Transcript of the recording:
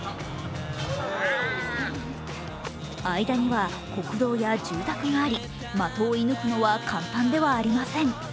間には国道や住宅があり的を射ぬくのは簡単ではありません。